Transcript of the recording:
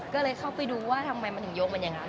ก็เลยเข้าไปดูว่าทำไมมันถึงโยงเหมือนเนี่ยกัน